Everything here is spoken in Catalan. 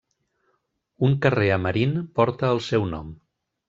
Un carrer a Marín porta el seu nom.